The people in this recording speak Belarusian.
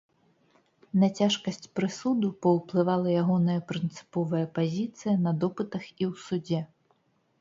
На цяжкасць прысуду паўплывала ягоная прынцыповая пазіцыя на допытах і ў судзе.